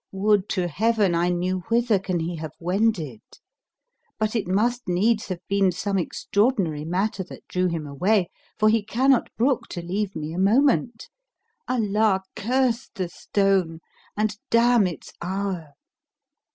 Would to Heaven I knew whither can he have wended! But it must needs have been some extraordinary matter that drew him away, for he cannot brook to leave me a moment. Allah curse the stone and damn its hour!"